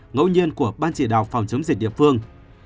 ngẫu nhiên của ban chỉ đạo phòng chống dịch địa phương